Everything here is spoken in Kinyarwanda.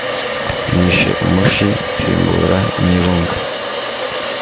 nishe umushi ntsibura nyebunga